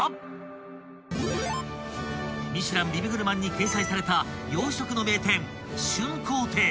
［ミシュラン・ビブグルマンに掲載された洋食の名店］